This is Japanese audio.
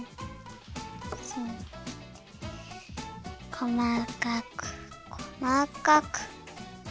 こまかくこまかく。